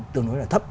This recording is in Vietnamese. tương đối là thấp